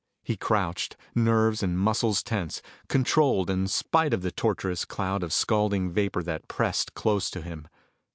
He crouched, nerves and muscles tense, controled in spite of the torturous cloud of scalding vapor that pressed close to him.